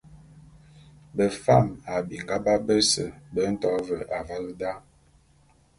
Befam a binga bap bese be nto ve avale da.